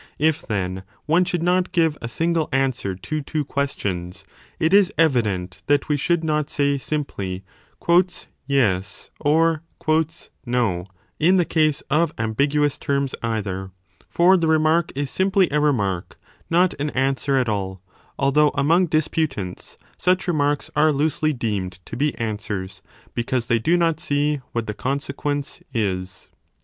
If then, one should not give a single 15 answer to two questions, it is evident that we should not say simply Yes or No in the case of ambiguous terms either : for the remark is simply a remark, not an answer at all, although among disputants such remarks are loosely deemed to be answers, because they do not see what the consequence is.